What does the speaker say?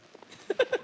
ハハハ！